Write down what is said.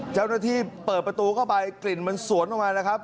เจ้าหน้าที่เปิดประตูเข้าไปกลิ่นมันสวนออกมาแล้วครับ